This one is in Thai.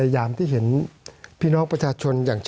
สวัสดีครับทุกคน